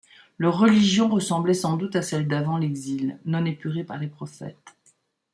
Leur religion ressemblait sans doute à celle d'avant l'Exil, non épurée par les prophètes.